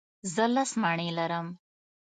زه لس مڼې لرم.